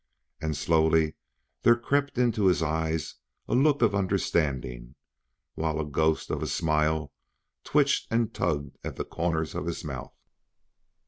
And slowly there crept into his eyes a look of understanding, while a ghost of a smile twitched and tugged at the corners of his mouth.